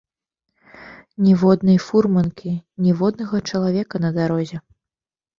Ніводнай фурманкі, ніводнага чалавека на дарозе.